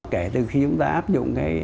kể từ khi chúng ta áp dụng